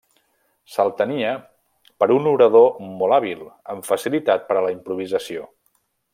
Se'l tenia per un orador molt hàbil, amb facilitat per a la improvisació.